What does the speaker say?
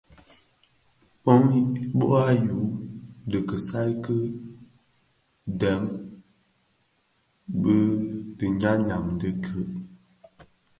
Bô yu dhi kisai ki dèn i biňyam ňyam dhi gëëk.